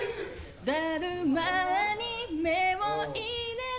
だるまに目を入れる